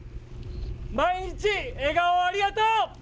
毎日、笑顔をありがとう。